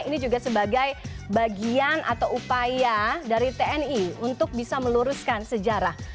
ini juga sebagai bagian atau upaya dari tni untuk bisa meluruskan sejarah